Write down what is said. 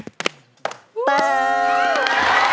ขอบคุณครับ